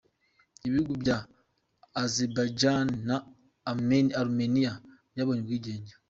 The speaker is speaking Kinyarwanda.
Ibihugu bya Azerbaijan na Armenia byabonye ubwigenge.